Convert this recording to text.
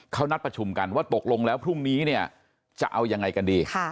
เขานัดประชุมกันว่าตกลงแล้วพรุ่งนี้เนี่ยจะเอายังไงกันดี